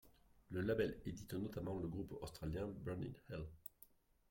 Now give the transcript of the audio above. Le label édite notamment le groupe australien Burn in Hell.